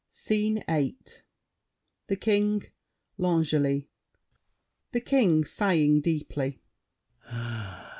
SCENE VIII The King, L'Angely THE KING (sighing deeply).